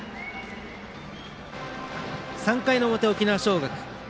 ３回の表、沖縄尚学。